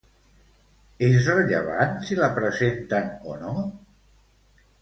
És rellevant si la presenten o no?